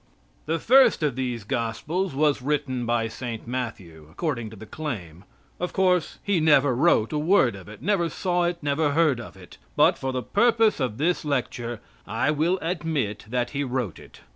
The first of these gospels was written by St. Matthew, according to the claim. Of course he never wrote a word of it. Never saw it. Never heard of it. But, for the purpose of this lecture, I will admit that he wrote it.